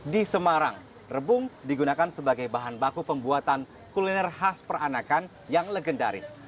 di semarang rebung digunakan sebagai bahan baku pembuatan kuliner khas peranakan yang legendaris